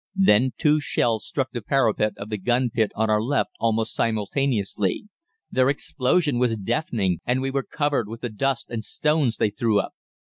Then two shells struck the parapet of the gun pit on our left almost simultaneously. Their explosion was deafening, and we were covered with the dust and stones they threw up.